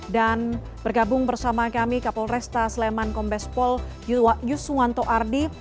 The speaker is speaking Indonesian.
dan bergabung bersama kami kapolresta sleman kombespol yuswanto ardi